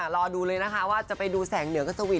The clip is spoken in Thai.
รอดูเลยนะคะว่าจะไปดูแสงเหนือกับสวีท